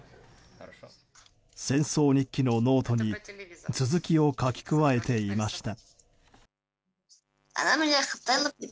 「戦争日記」のノートに続きを書き加えていました。